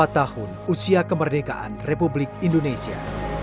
tujuh puluh empat tahun usia kemerdekaan republik indonesia